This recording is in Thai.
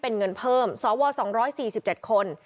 เงินเพิ่มสอว๒๔๗คน